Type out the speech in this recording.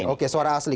oke suara asli